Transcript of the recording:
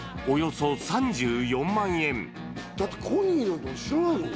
コニーなんて知らないもん。